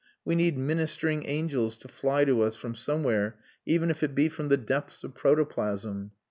We need ministering angels to fly to us from somewhere, even if it be from the depths of protoplasm.